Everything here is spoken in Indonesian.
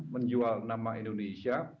menjual nama indonesia